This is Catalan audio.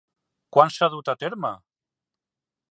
Quan s'ha dut a terme?